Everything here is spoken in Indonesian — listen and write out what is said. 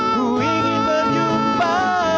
ku ingin berjumpa